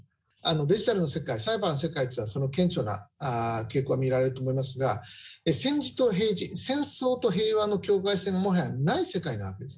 デジタルの世界サイバーの世界というのはその顕著な傾向が見られると思いますが戦時と平時戦争と平和の境界線はもはやない世界なわけです。